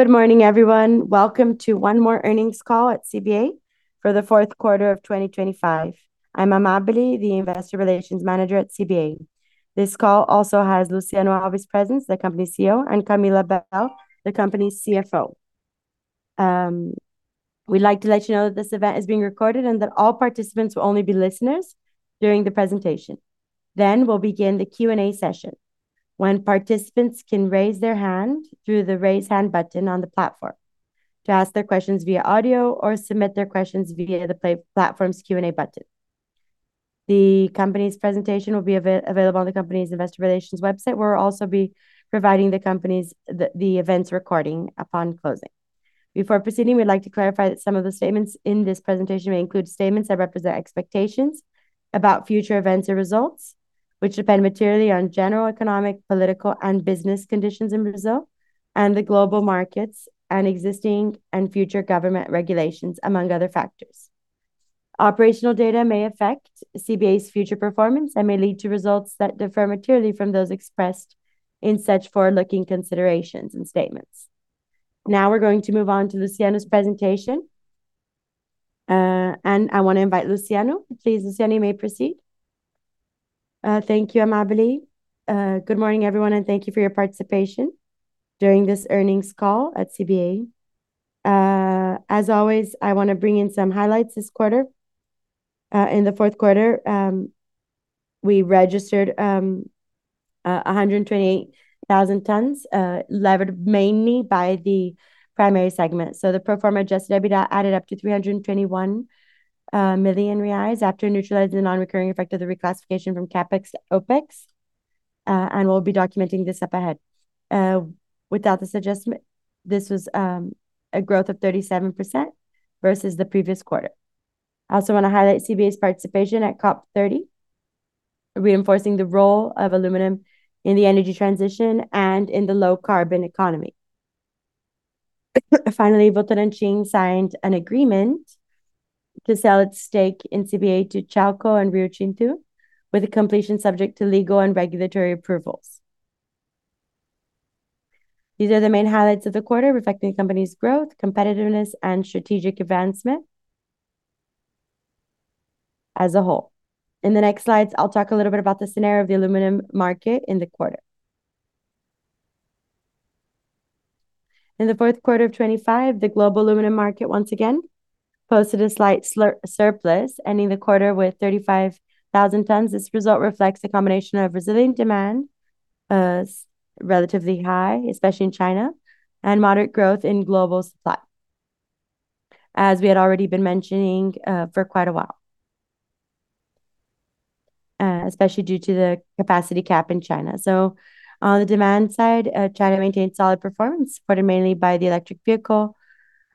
Good morning, everyone. Welcome to one more earnings call at CBA for the fourth quarter of 2025. I'm Amábile, the investor relations manager at CBA. This call also has Luciano Alves' presence, the company's CEO, and Camila Abel, the company's CFO. We'd like to let you know that this event is being recorded, and that all participants will only be listeners during the presentation. We'll begin the Q&A session when participants can raise their hand through the Raise Hand button on the platform to ask their questions via audio, or submit their questions via the platform's Q&A button. The company's presentation will be available on the company's investor relations website. We'll also be providing the event's recording upon closing. Before proceeding, we'd like to clarify that some of the statements in this presentation may include statements that represent expectations about future events or results, which depend materially on general economic, political, and business conditions in Brazil and the global markets and existing and future government regulations, among other factors. Operational data may affect CBA's future performance and may lead to results that differ materially from those expressed in such forward-looking considerations and statements. We're going to move on to Luciano's presentation. I wanna invite Luciano. Please, Luciano, you may proceed. Thank you, Amábile. Good morning, everyone, and thank you for your participation during this earnings call at CBA. As always, I wanna bring in some highlights this quarter. In the fourth quarter, we registered 128,000 tons, levered mainly by the primary segment. The pro forma Adjusted EBITDA added up to 321 million reais after neutralizing the non-recurring effect of the reclassification from CapEx to OpEx, and we'll be documenting this up ahead. Without this adjustment, this was a growth of 37% versus the previous quarter. I also wanna highlight CBA's participation at COP30, reinforcing the role of aluminum in the energy transition and in the low-carbon economy. Finally, Votorantim signed an agreement to sell its stake in CBA to Chalco and Rio Tinto, with the completion subject to legal and regulatory approvals. These are the main highlights of the quarter, reflecting the company's growth, competitiveness, and strategic advancement as a whole. In the next slides, I'll talk a little bit about the scenario of the aluminum market in the quarter. In the fourth quarter of 2025, the global aluminum market once again posted a slight surplus, ending the quarter with 35,000 tons. This result reflects a combination of resilient demand, relatively high, especially in China, and moderate growth in global supply, as we had already been mentioning for quite a while, especially due to the capacity cap in China. On the demand side, China maintained solid performance, supported mainly by the electric vehicle,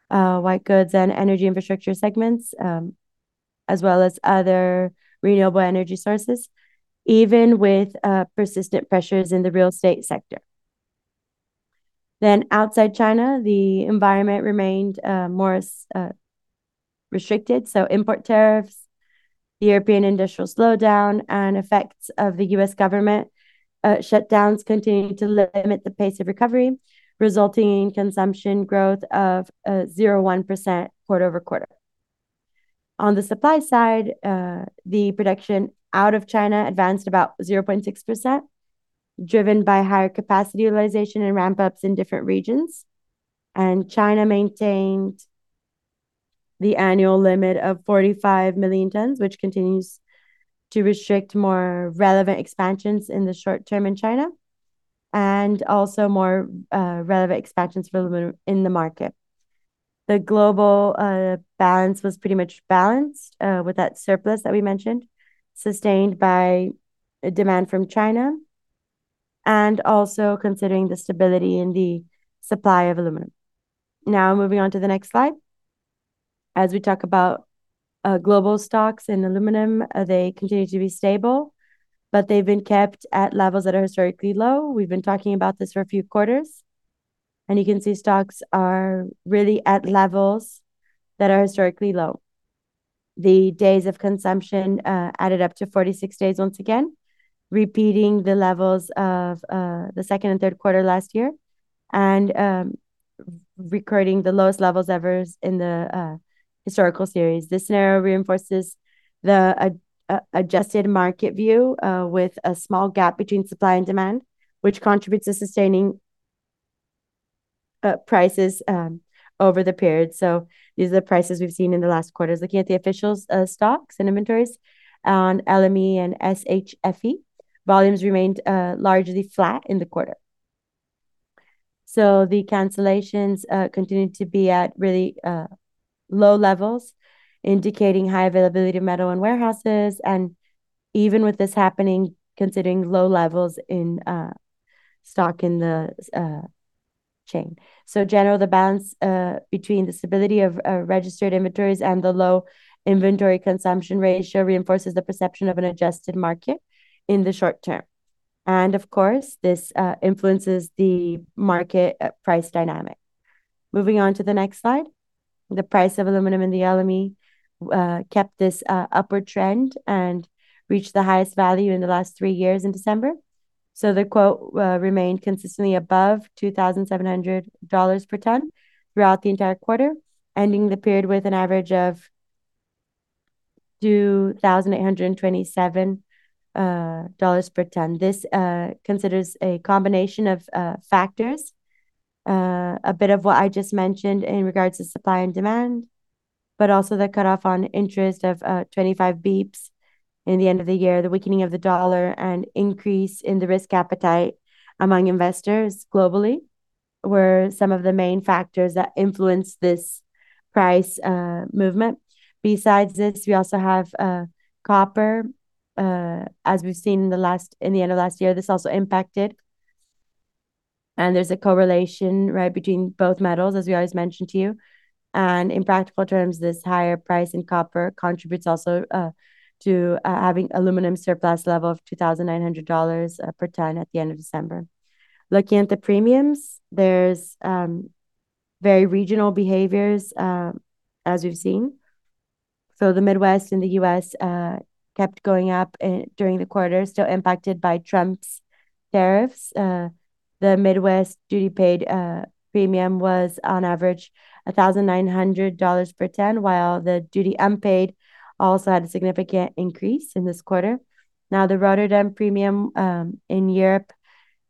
white goods and energy infrastructure segments, as well as other renewable energy sources, even with persistent pressures in the real estate sector. Outside China, the environment remained more restricted. Import tariffs, the European industrial slowdown, and effects of the U.S. government shutdowns continued to limit the pace of recovery, resulting in consumption growth of 0.1% quarter-over-quarter. On the supply side, the production out of China advanced about 0.6%, driven by higher capacity utilization and ramp-ups in different regions. China maintained the annual limit of 45 million tons, which continues to restrict more relevant expansions in the short term in China and also more relevant expansions for aluminum in the market. The global balance was pretty much balanced with that surplus that we mentioned, sustained by a demand from China and also considering the stability in the supply of aluminum. Now moving on to the next slide. As we talk about global stocks and aluminum, they continue to be stable, but they've been kept at levels that are historically low. We've been talking about this for a few quarters, and you can see stocks are really at levels that are historically low. The days of consumption added up to 46 days once again, repeating the levels of the second and third quarter last year, and recording the lowest levels ever in the historical series. This scenario reinforces the adjusted market view with a small gap between supply and demand, which contributes to sustaining prices over the period. These are the prices we've seen in the last quarter. Looking at the officials' stocks and inventories on LME and SHFE, volumes remained largely flat in the quarter. The cancellations continued to be at really low levels, indicating high availability of metal in warehouses, and even with this happening, considering low levels in stock in the chain. In general, the balance between the stability of registered inventories and the low inventory consumption ratio reinforces the perception of an adjusted market in the short term. Of course, this influences the market price dynamic. Moving on to the next slide. The price of aluminum in the LME kept this upward trend and reached the highest value in the last three years in December. The quote remained consistently above $2,700 per ton throughout the entire quarter, ending the period with an average of $2,827 per ton. This considers a combination of factors. A bit of what I just mentioned in regards to supply and demand, also the cutoff on interest of 25 basis points in the end of the year, the weakening of the dollar, and increase in the risk appetite among investors globally were some of the main factors that influenced this price movement. Besides this, we also have copper. As we've seen in the end of last year, this also impacted, there's a correlation, right, between both metals, as we always mention to you. In practical terms, this higher price in copper contributes also to having aluminum surplus level of $2,900 per ton at the end of December. Looking at the premiums, there's very regional behaviors, as we've seen. The Midwest in the U.S. kept going up during the quarter, still impacted by Trump's tariffs. The Midwest duty paid premium was on average $1,900 per ton, while the duty unpaid also had a significant increase in this quarter. The Rotterdam premium in Europe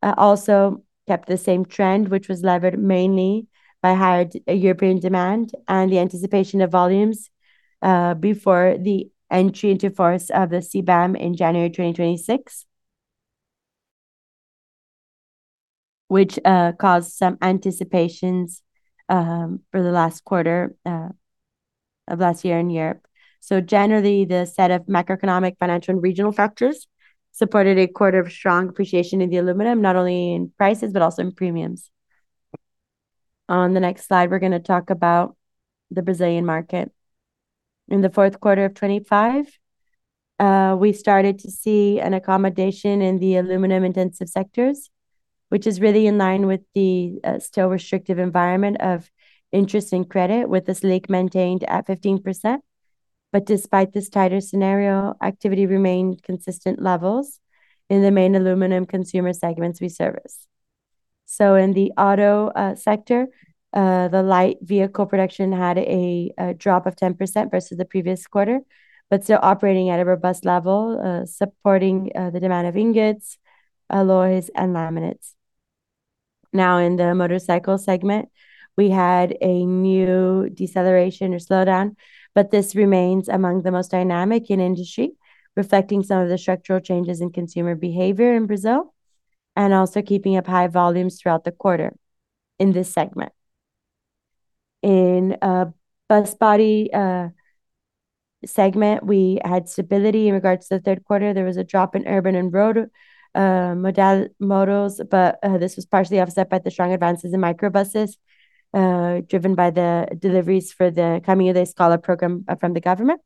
also kept the same trend, which was levered mainly by higher European demand and the anticipation of volumes before the entry into force of the CBAM in January 2026. Which caused some anticipations for the last quarter of last year in Europe. Generally, the set of macroeconomic, financial, and regional factors supported a quarter of strong appreciation in the aluminum, not only in prices, but also in premiums. On the next slide, we're gonna talk about the Brazilian market. In the fourth quarter of 2025, we started to see an accommodation in the aluminum-intensive sectors, which is really in line with the still restrictive environment of interest and credit, with the Selic maintained at 15%. Despite this tighter scenario, activity remained consistent levels in the main aluminum consumer segments we service. In the auto sector, the light vehicle production had a drop of 10% versus the previous quarter, but still operating at a robust level, supporting the demand of ingots, alloys, and laminates. Now, in the motorcycle segment, we had a new deceleration or slowdown, but this remains among the most dynamic in industry, reflecting some of the structural changes in consumer behavior in Brazil, and also keeping up high volumes throughout the quarter in this segment. In bus body segment, we had stability in regards to the third quarter. There was a drop in urban and road models, this was partially offset by the strong advances in microbuses, driven by the deliveries for the Caminho da Escola program from the government.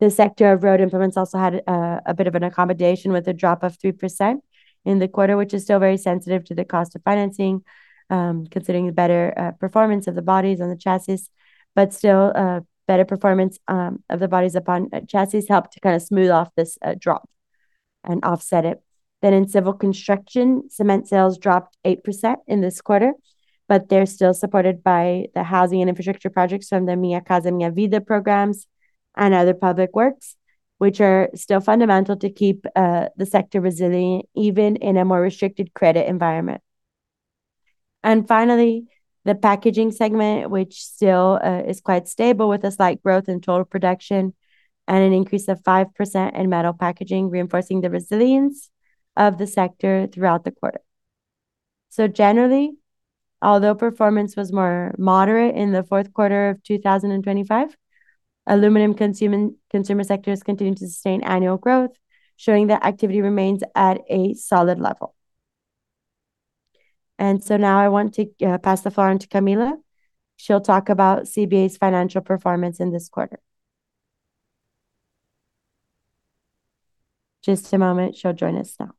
The sector of road implements also had a bit of an accommodation with a drop of 3% in the quarter, which is still very sensitive to the cost of financing, considering the better performance of the bodies and the chassis. Still, better performance of the bodies upon chassis helped to kinda smooth out this drop and offset it. In civil construction, cement sales dropped 8% in this quarter, but they're still supported by the housing and infrastructure projects from the Minha Casa, Minha Vida programs and other public works, which are still fundamental to keep the sector resilient, even in a more restricted credit environment. Finally, the packaging segment, which still is quite stable with a slight growth in total production and an increase of 5% in metal packaging, reinforcing the resilience of the sector throughout the quarter. Generally, although performance was more moderate in the fourth quarter of 2025, aluminum consumer sectors continued to sustain annual growth, showing that activity remains at a solid level. Now I want to pass the floor on to Camila. She'll talk about CBA's financial performance in this quarter. Just a moment. She'll join us now.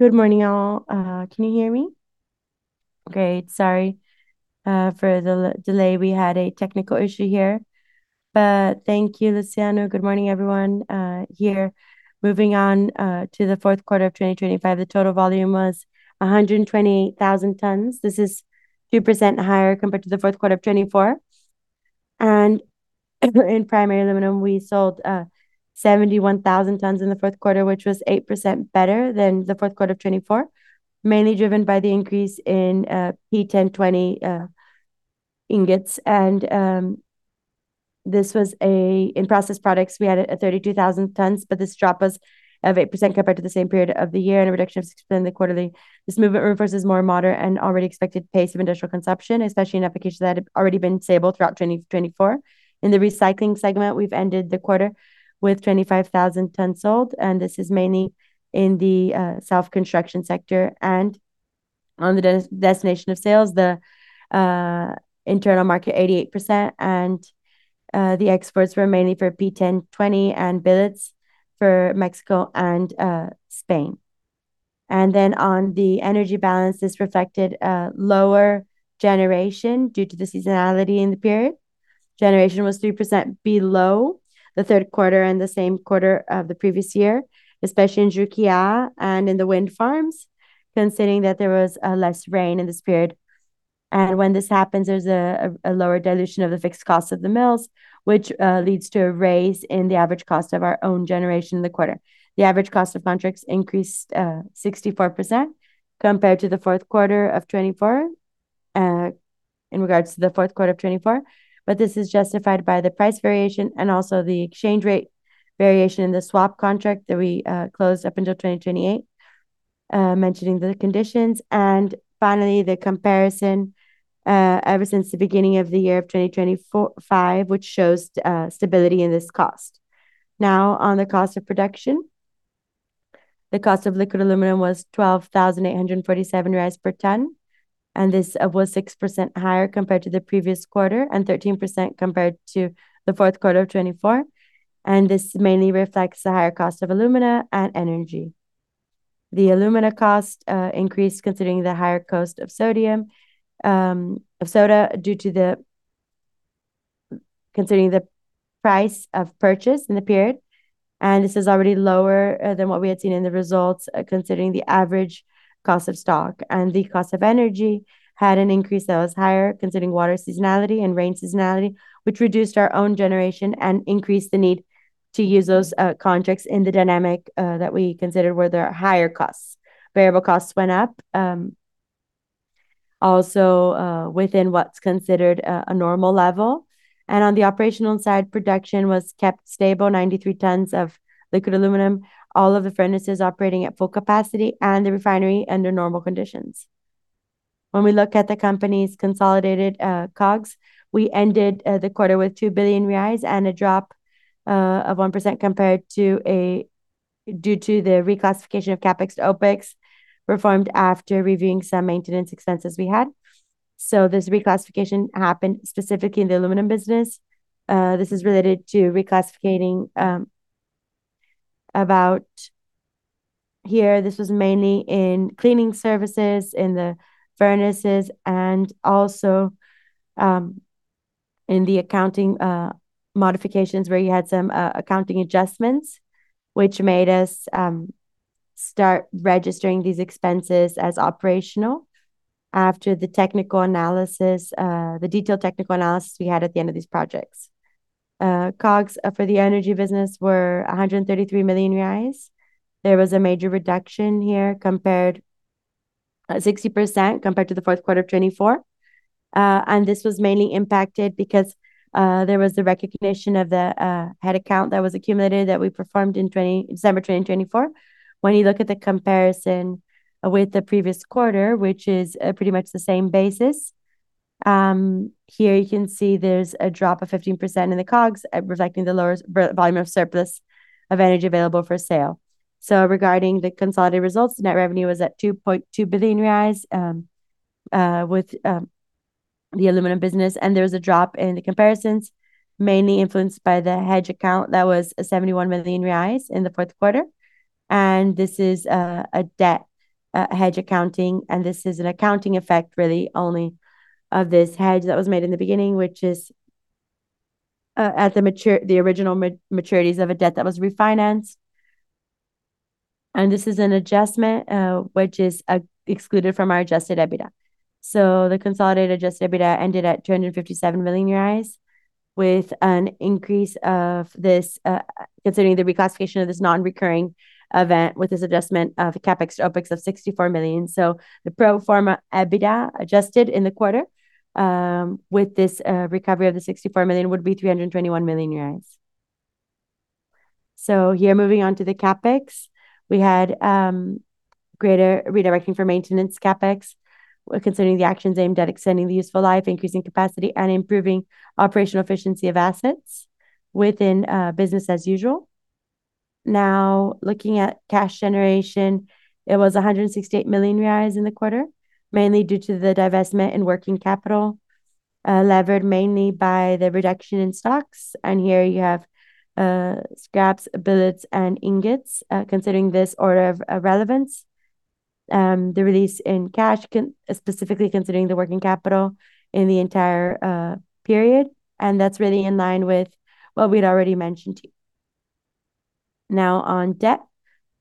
Good morning, all. Can you hear me? Great. Sorry for the delay. We had a technical issue here. Thank you, Luciano Alves. Good morning everyone here. Moving on to the fourth quarter of 2025, the total volume was 120,000 tons. This is 2% higher compared to the fourth quarter of 2024. In primary aluminum, we sold 71,000 tons in the fourth quarter, which was 8% better than the fourth quarter of 2024, mainly driven by the increase in P1020 ingots. In-process products, we had it at 32,000 tons. This drop was of 8% compared to the same period of the year and a reduction of 6% quarterly. This movement reverses more moderate and already expected pace of industrial consumption, especially in applications that had already been stable throughout 2024. In the recycling segment, we've ended the quarter with 25,000 tons sold. This is mainly in the self-construction sector. On the destination of sales, the internal market 88%, and the exports were mainly for P1020 and billets for Mexico and Spain. On the energy balance, this reflected lower generation due to the seasonality in the period. Generation was 3% below the third quarter and the same quarter of the previous year, especially in Jequié and in the wind farms, considering that there was less rain in this period. When this happens, there's a lower dilution of the fixed cost of the mills, which leads to a raise in the average cost of our own generation in the quarter. The average cost of contracts increased 64% compared to the fourth quarter of 2024, in regards to the fourth quarter of 2024. This is justified by the price variation and also the exchange rate variation in the swap contract that we closed up until 2028, mentioning the conditions. Finally, the comparison ever since the beginning of the year of 2025, which shows stability in this cost. On the cost of production. The cost of liquid aluminum was 12,847 per ton. This was 6% higher compared to the previous quarter and 13% compared to the fourth quarter of 2024. This mainly reflects the higher cost of alumina and energy. The alumina cost increased considering the higher cost of sodium of soda considering the price of purchase in the period. This is already lower than what we had seen in the results, considering the average cost of stock. The cost of energy had an increase that was higher considering water seasonality and rain seasonality, which reduced our own generation and increased the need to use those contracts in the dynamic that we considered were the higher costs. Variable costs went up, also, within what's considered a normal level. On the operational side, production was kept stable, 93 tons of liquid aluminum. All of the furnaces operating at full capacity and the refinery under normal conditions. When we look at the company's consolidated COGS, we ended the quarter with 2 billion reais and a drop of 1% due to the reclassification of CapEx to OpEx performed after reviewing some maintenance expenses we had. This reclassification happened specifically in the aluminum business. This is related to reclassifying, this was mainly in cleaning services in the furnaces and also in the accounting modifications where you had some accounting adjustments, which made us start registering these expenses as operational after the technical analysis, the detailed technical analysis we had at the end of these projects. COGS for the energy business were 133 million reais. There was a major reduction here, 60% compared to the fourth quarter of 2024. This was mainly impacted because there was the recognition of the head count that was accumulated that we performed in December 2024. When you look at the comparison with the previous quarter, which is pretty much the same basis, here you can see there's a drop of 15% in the COGS, reflecting the lower volume of surplus of energy available for sale. Regarding the consolidated results, net revenue was at 2.2 billion reais with the aluminum business, and there was a drop in the comparisons, mainly influenced by the hedge account that was 71 million reais in the fourth quarter. This is a debt hedge accounting, this is an accounting effect really only of this hedge that was made in the beginning, which is at the original maturities of a debt that was refinanced. This is an adjustment which is excluded from our Adjusted EBITDA. The consolidated Adjusted EBITDA ended at BRL 257 million with an increase of this, considering the reclassification of this non-recurring event with this adjustment of CapEx to OpEx of 64 million. The pro forma EBITDA adjusted in the quarter, with this recovery of the 64 million would be BRL 321 million. Here, moving on to the CapEx. We had greater redirecting for maintenance CapEx. We're considering the actions aimed at extending the useful life, increasing capacity and improving operational efficiency of assets within business as usual. Looking at cash generation, it was 168 million reais in the quarter, mainly due to the divestment in working capital. Levered mainly by the reduction in stocks, and here you have scraps, billets and ingots, considering this order of relevance. The release in cash specifically considering the working capital in the entire period, and that's really in line with what we'd already mentioned to you. On debt,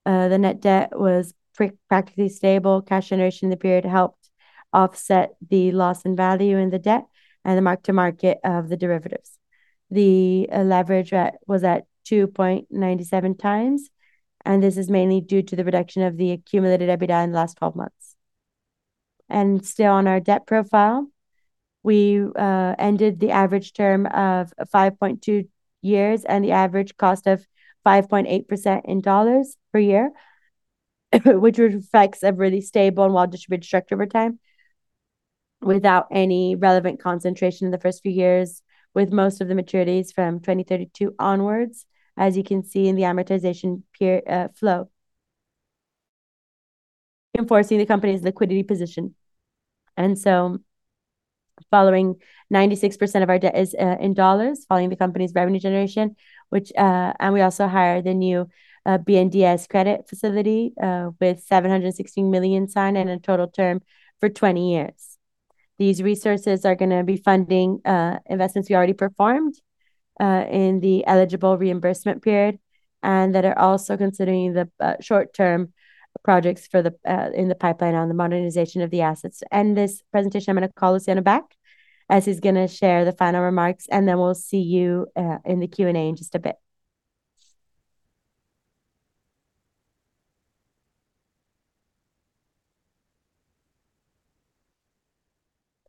the net debt was practically stable. Cash generation in the period helped offset the loss in value in the debt and the mark-to-market of the derivatives. The leverage rate was at 2.97x, this is mainly due to the reduction of the accumulated EBITDA in the last 12 months. Still on our debt profile, we ended the average term of five point 2 years and the average cost of 5.8% in dollars per year, which reflects a really stable and well-distributed structure over time without any relevant concentration in the first few years, with most of the maturities from 2032 onwards, as you can see in the amortization period flow. Enforcing the company's liquidity position. Following 96% of our debt is in dollars, following the company's revenue generation, we also hired the new BNDES credit facility with $716 million signed and a total term for 20 years. These resources are gonna be funding investments we already performed in the eligible reimbursement period, and that are also considering the short-term projects for the in the pipeline on the modernization of the assets. To end this presentation, I'm gonna call Luciano back, as he's gonna share the final remarks. Then we'll see you in the Q&A in just a bit.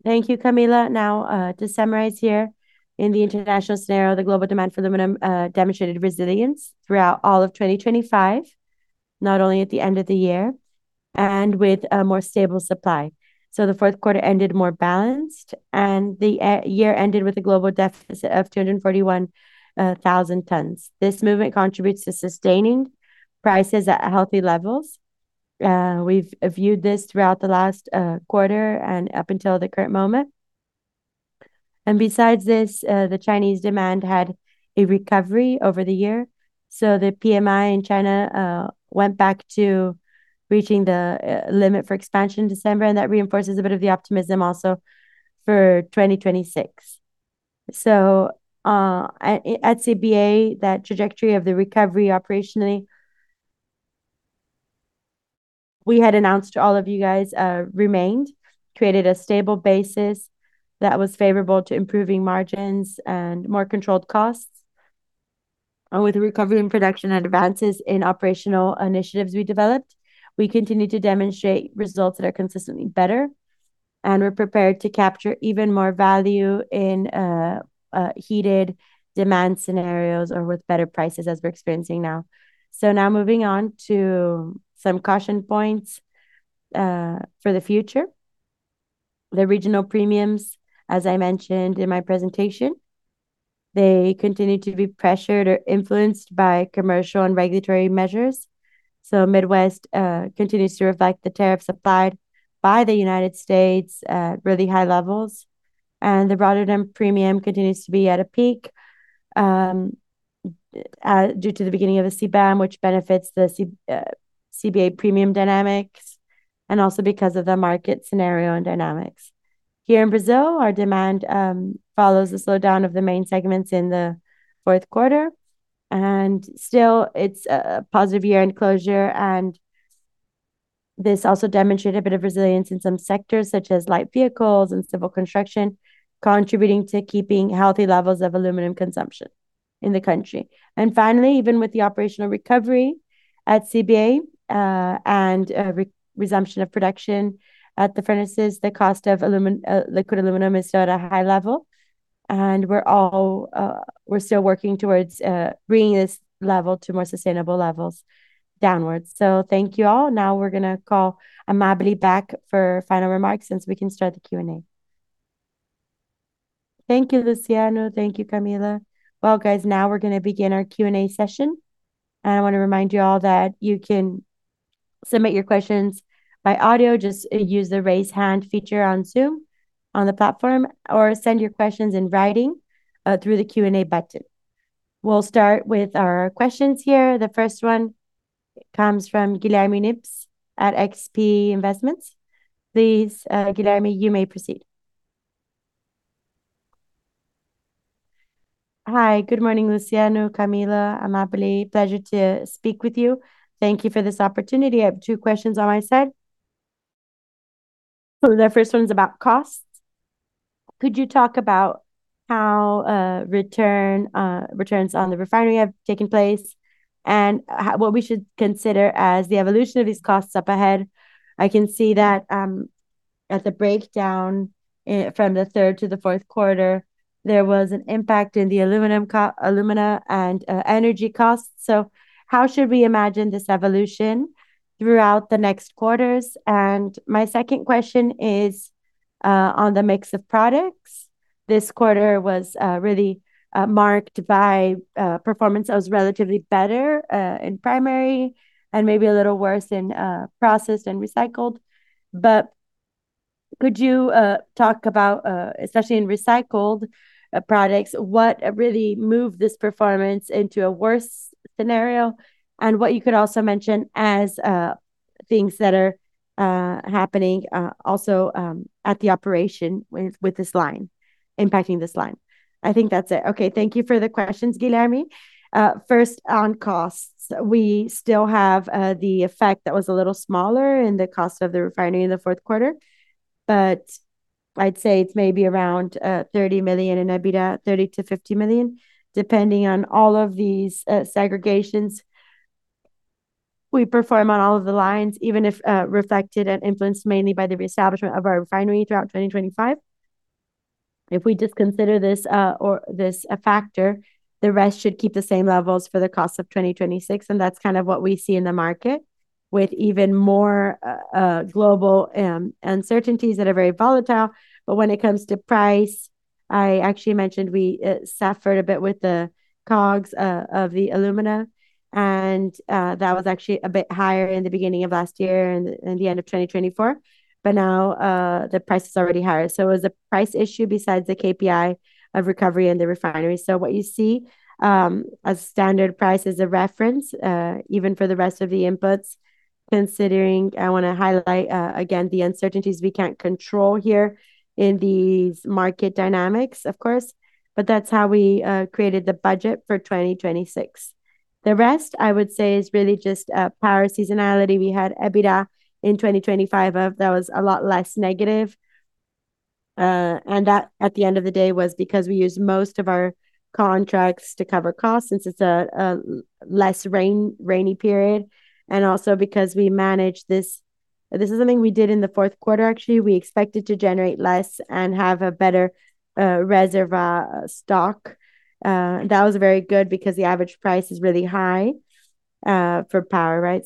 Thank you, Camila. To summarize here, in the international scenario, the global demand for aluminum demonstrated resilience throughout all of 2025, not only at the end of the year, and with a more stable supply. The fourth quarter ended more balanced, and the year ended with a global deficit of 241,000 tons. This movement contributes to sustaining prices at healthy levels. We've viewed this throughout the last quarter and up until the current moment. Besides this, the Chinese demand had a recovery over the year. The PMI in China went back to reaching the limit for expansion in December, that reinforces a bit of the optimism also for 2026. At CBA, that trajectory of the recovery operationally, we had announced to all of you guys, remained, created a stable basis that was favorable to improving margins and more controlled costs. With recovery and production advances in operational initiatives we developed, we continue to demonstrate results that are consistently better. We're prepared to capture even more value in heated demand scenarios or with better prices as we're experiencing now. Now moving on to some caution points for the future. The regional premiums, as I mentioned in my presentation, they continue to be pressured or influenced by commercial and regulatory measures. Midwest continues to reflect the tariffs applied by the United States at really high levels, and the Rotterdam premium continues to be at a peak due to the beginning of the CBAM, which benefits CBA premium dynamics and also because of the market scenario and dynamics. Here in Brazil, our demand follows the slowdown of the main segments in the Fourth Quarter. Still it's a positive year-end closure and this also demonstrated a bit of resilience in some sectors such as light vehicles and civil construction, contributing to keeping healthy levels of aluminum consumption in the country. Finally, even with the operational recovery at CBA, and resumption of production at the furnaces, the cost of liquid aluminum is still at a high level. We're still working towards bringing this level to more sustainable levels downwards. Thank you all. Now we're gonna call Amábile back for final remarks, we can start the Q&A. Thank you, Luciano. Thank you, Camila. Well, guys, now we're gonna begin our Q&A session. I wanna remind you all that you can submit your questions by audio, just use the Raise Hand feature on Zoom on the platform, or send your questions in writing through the Q&A button. We'll start with our questions here. The first one comes from Guilherme Nippes at XP Investimentos. Please, Guilherme, you may proceed. Hi, good morning, Luciano, Camila, Amábile. Pleasure to speak with you. Thank you for this opportunity. I have two questions on my side. The first one's about costs. Could you talk about how returns on the refinery have taken place, and what we should consider as the evolution of these costs up ahead? I can see that, at the breakdown, from the third to the fourth quarter, there was an impact in the alumina and energy costs. How should we imagine this evolution throughout the next quarters? My second question is on the mix of products. This quarter was really marked by performance that was relatively better in primary and maybe a little worse in processed and recycled. Could you talk about, especially in recycled products, what really moved this performance into a worse scenario, and what you could also mention as things that are happening also at the operation with this line impacting this line? I think that's it. Okay. Thank you for the questions, Guilherme. First on costs. We still have the effect that was a little smaller in the cost of the refinery in the fourth quarter, but I'd say it's maybe around 30 million in EBITDA, 30 million-50 million, depending on all of these segregations we perform on all of the lines, even if reflected and influenced mainly by the reestablishment of our refinery throughout 2025. If we just consider this, or this a factor, the rest should keep the same levels for the cost of 2026, that's kind of what we see in the market with even more global uncertainties that are very volatile. When it comes to price, I actually mentioned we suffered a bit with the COGS of the alumina, that was actually a bit higher in the beginning of last year and the end of 2024. Now, the price is already higher. It was a price issue besides the KPI of recovery in the refinery. What you see, as standard price is a reference, even for the rest of the inputs, considering I wanna highlight again, the uncertainties we can't control here in these market dynamics, of course. That's how we created the budget for 2026. The rest, I would say is really just power seasonality. We had EBITDA in 2025 that was a lot less negative. That, at the end of the day, was because we used most of our contracts to cover costs since it's a less rainy period, and also because we managed this. This is something we did in the fourth quarter actually. We expected to generate less and have a better reserva stock. That was very good because the average price is really high for power, right?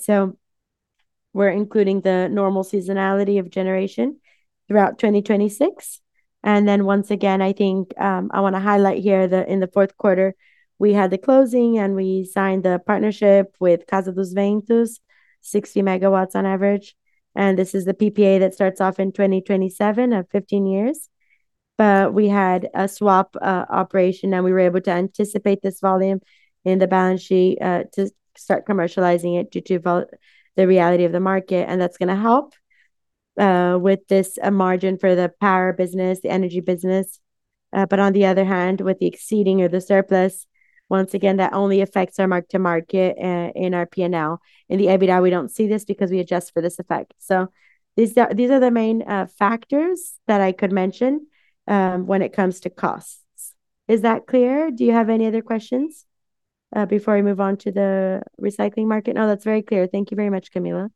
We're including the normal seasonality of generation throughout 2026. Once again, I think, I want to highlight here that in the fourth quarter, we had the closing and we signed the partnership with Casa dos Ventos, 60 MW on average, and this is the PPA that starts off in 2027 of 15 years. We had a swap operation, and we were able to anticipate this volume in the balance sheet to start commercializing it due to the reality of the market. That's going to help with this margin for the power business, the energy business. On the other hand, with the exceeding or the surplus, once again, that only affects our mark-to-market in our P&L. In the EBITDA, we don't see this because we adjust for this effect. These are the main factors that I could mention when it comes to costs. Is that clear? Do you have any other questions before I move on to the recycling market? No, that's very clear. Thank you very much, Camila.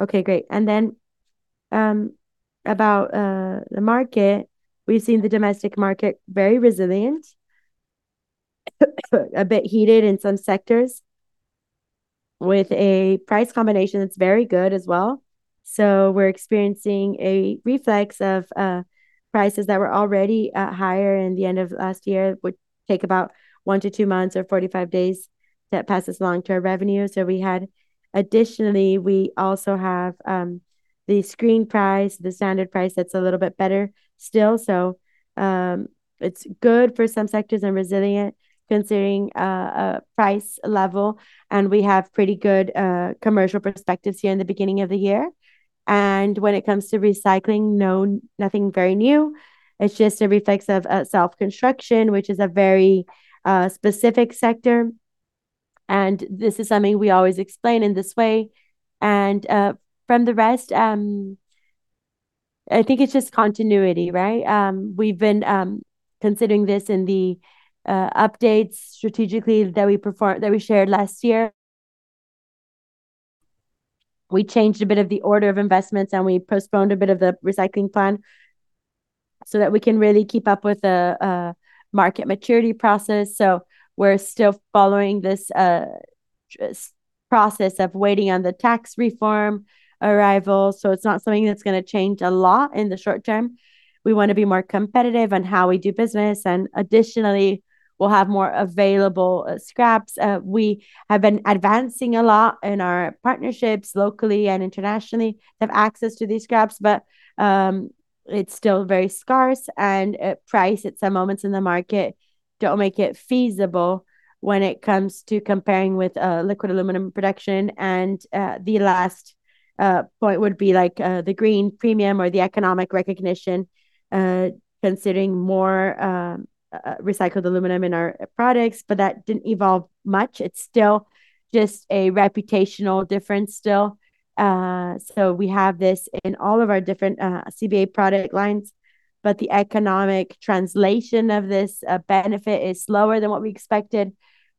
Okay, great. About the market. We've seen the domestic market very resilient, a bit heated in some sectors, with a price combination that's very good as well. We're experiencing a reflex of prices that were already higher in the end of last year. Would take about one to two months or 45 days that passes long-term revenue. Additionally, we also have the screen price, the standard price that's a little bit better still. It's good for some sectors and resilient considering price level, and we have pretty good commercial perspectives here in the beginning of the year. When it comes to recycling, no, nothing very new. It's just a reflex of self-construction, which is a very specific sector, and this is something we always explain in this way. From the rest, I think it's just continuity, right? We've been considering this in the updates strategically that we shared last year. We changed a bit of the order of investments, and we postponed a bit of the recycling plan so that we can really keep up with the market maturity process. We're still following this process of waiting on the tax reform arrival, so it's not something that's gonna change a lot in the short term. We wanna be more competitive on how we do business, additionally, we'll have more available scraps. We have been advancing a lot in our partnerships locally and internationally to have access to these scraps, but it's still very scarce and price at some moments in the market don't make it feasible when it comes to comparing with liquid aluminum production. The last point would be like the green premium or the economic recognition, considering more recycled aluminum in our products, but that didn't evolve much. It's still just a reputational difference still. We have this in all of our different CBA product lines, but the economic translation of this benefit is slower than what we expected,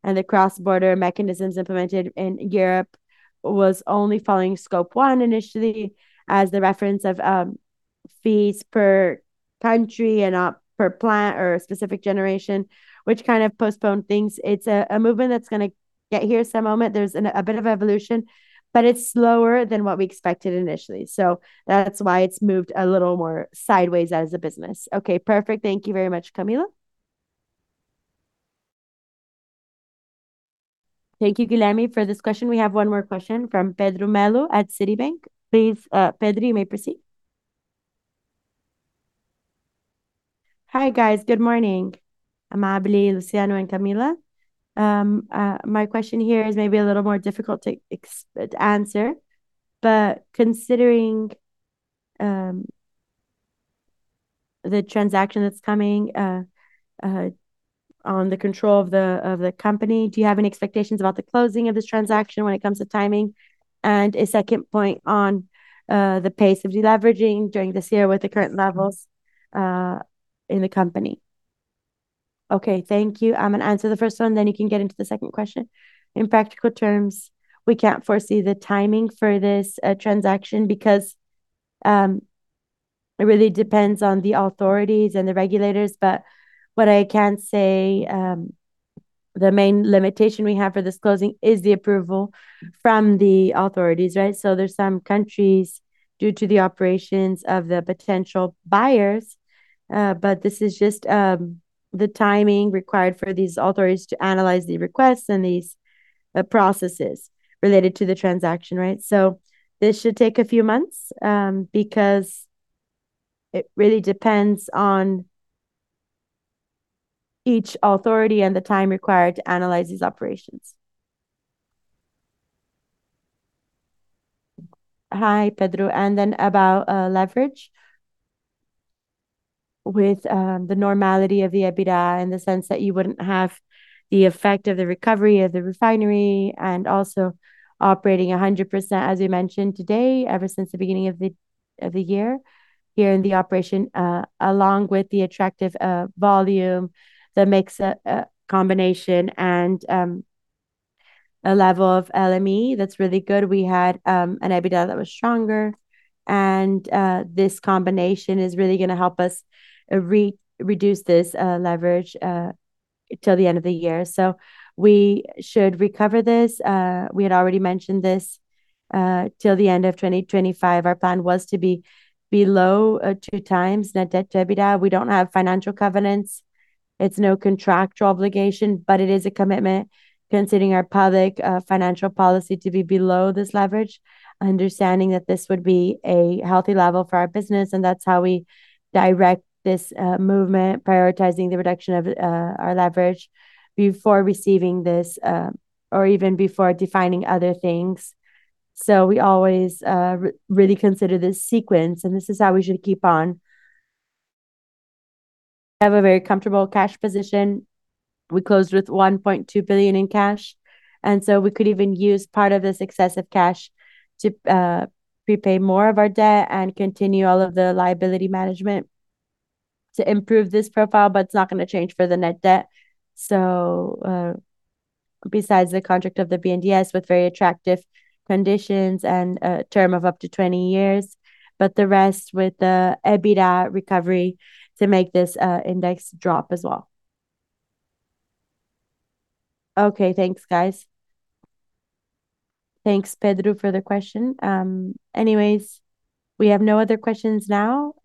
and the Carbon Border Adjustment Mechanism implemented in Europe was only following Scope 1 initially as the reference of fees per country and not per plant or a specific generation, which kind of postponed things. It's a movement that's gonna get here some moment. There's a bit of evolution, but it's slower than what we expected initially. That's why it's moved a little more sideways as a business. Okay. Perfect. Thank you very much, Camila. Thank you, Guilherme, for this question. We have one more question from Pedro Melo at Citibank. Please, Pedro, you may proceed. Hi, guys. Good morning, Amábile, Luciano and Camila. My question here is maybe a little more difficult to answer, but considering the transaction that's coming on the control of the company, do you have any expectations about the closing of this transaction when it comes to timing? A second point on the pace of deleveraging during this year with the current levels in the company. Okay, thank you. I'm gonna answer the first one, then you can get into the second question. In practical terms, we can't foresee the timing for this transaction because it really depends on the authorities and the regulators. What I can say, the main limitation we have for this closing is the approval from the authorities, right? There's some countries, due to the operations of the potential buyers, but this is just the timing required for these authorities to analyze the requests and these processes related to the transaction, right? This should take a few months, because it really depends on each authority and the time required to analyze these operations. Hi, Pedro. Then about leverage, with the normality of the EBITDA in the sense that you wouldn't have the effect of the recovery of the refinery and also operating 100%, as we mentioned today, ever since the beginning of the year here in the operation, along with the attractive volume that makes a combination and a level of LME that's really good. We had an EBITDA that was stronger, and this combination is really gonna help us re-reduce this leverage till the end of the year. We should recover this. We had already mentioned this, till the end of 2025, our plan was to be below 2x net debt to EBITDA. We don't have financial covenants. It's no contractual obligation, but it is a commitment considering our public financial policy to be below this leverage, understanding that this would be a healthy level for our business, and that's how we direct this movement, prioritizing the reduction of our leverage before receiving this or even before defining other things. We always really consider this sequence, and this is how we should keep on. We have a very comfortable cash position. We closed with 1.2 billion in cash, and so we could even use part of this excessive cash to pre-pay more of our debt and continue all of the liability management to improve this profile, but it's not gonna change for the net debt. Besides the contract of the BNDES with very attractive conditions and a term of up to 20 years, but the rest with the EBITDA recovery to make this index drop as well. Okay. Thanks, guys. Thanks, Pedro, for the question. Anyways, we have no other questions now,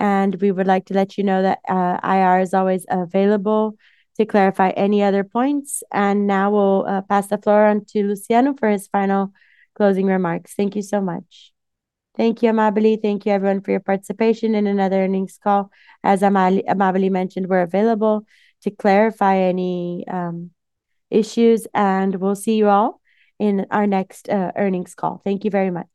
and we would like to let you know that IR is always available to clarify any other points. Now we'll pass the floor on to Luciano for his final closing remarks. Thank you so much. Thank you, Amábile. Thank you everyone for your participation in another earnings call. As Amábile mentioned, we're available to clarify any issues, we'll see you all in our next earnings call. Thank you very much.